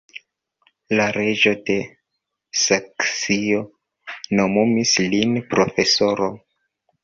La reĝo de Saksio nomumis lin profesoro.